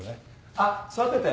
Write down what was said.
あっ座ってて。